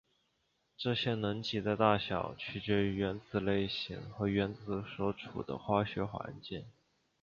这些能级的大小取决于原子类型和原子所处的化学环境。